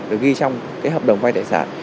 được ghi trong cái hợp đồng vay tài sản